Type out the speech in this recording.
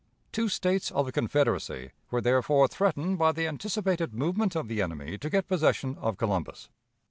Two States of the Confederacy were therefore threatened by the anticipated movement of the enemy to get possession of Columbus.